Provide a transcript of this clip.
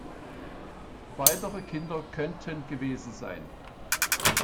Weitere Kinder könnten gewesen sein